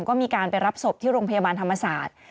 ก็มีการไปรับศพที่โรงพยาบาลธรรมศาสตร์